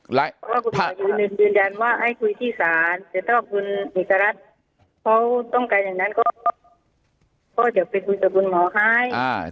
เพราะว่าคุณหมอยืนยันยืนยันว่าให้คุยที่ศาลแต่ถ้าคุณเอกรัฐเขาต้องการอย่างนั้นก็เดี๋ยวไปคุยกับคุณหมอให้